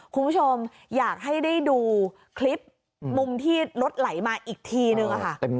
คุณผู้ชมอยากให้ได้ดูคลิปมุมที่รถไหลมาอีกทีนึงค่ะ